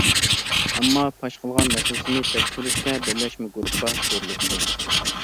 ئامما پاش قىلغان مەسىلىسىنى تەكشۈرۈشكە بىرلەشمە گۇرۇپپا قۇرۇلۇپتۇ.